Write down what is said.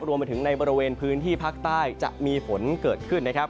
รวมไปถึงในบริเวณพื้นที่ภาคใต้จะมีฝนเกิดขึ้นนะครับ